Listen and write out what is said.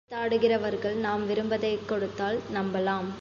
சித்தாடுகிறவர்கள் நாம் விரும்புவதைக் கொடுத்தால் நம்பலாம்.